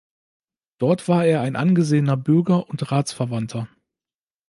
Dort war er ein angesehener Bürger und Ratsverwandter.